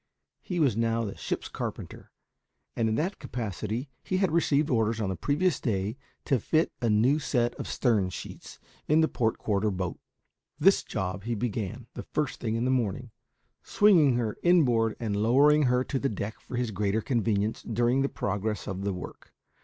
He was now the ship's carpenter, and in that capacity he had received orders on the previous day to fit a new set of stern sheets in the port quarter boat. This job he began the first thing in the morning, swinging her inboard and lowering her to the deck for his greater convenience during the progress of the work.